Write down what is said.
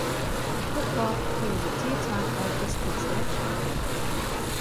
In football, he was a two-time All-District selection.